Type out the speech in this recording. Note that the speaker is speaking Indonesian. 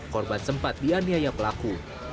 korban sempat dianiaya pelaku